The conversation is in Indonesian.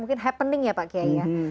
mungkin happening ya pak kiai ya